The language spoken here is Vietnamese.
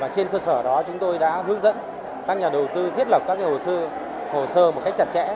trên cơ sở đó chúng tôi đã hướng dẫn các nhà đầu tư thiết lập các hồ sơ hồ sơ một cách chặt chẽ